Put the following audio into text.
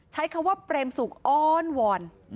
ใช้ข้อว่าเปร็มศูกร์อนทวน